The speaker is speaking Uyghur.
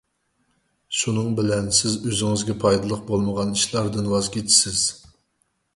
شۇنىڭ بىلەن، سىز ئۆزىڭىزگە پايدىلىق بولمىغان ئىشلاردىن ۋاز كېچىسىز.